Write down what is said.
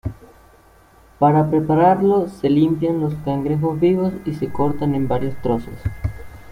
Para prepararlo, se limpian los cangrejos vivos y se cortan en varios trozos.